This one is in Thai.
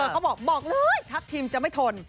เขาบอกบอกเลยทัพทีมจะไม่ทน